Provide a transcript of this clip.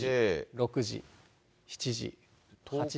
６時、７時、８時、９時。